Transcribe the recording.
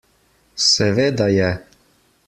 Seveda je.